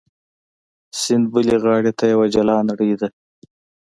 سیند بلې غاړې ته یوه جلا نړۍ ده.